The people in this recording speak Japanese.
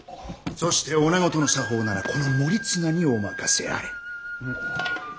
そしておなごとの作法ならこの守綱にお任せあれ。